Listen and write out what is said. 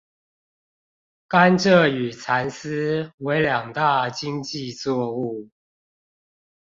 甘蔗與蠶絲為兩大經濟作物